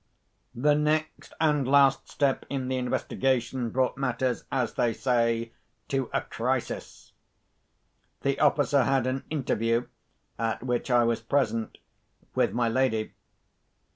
The next and last step in the investigation brought matters, as they say, to a crisis. The officer had an interview (at which I was present) with my lady.